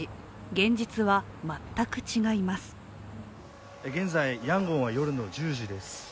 現在、ヤンゴンは夜の１０時です。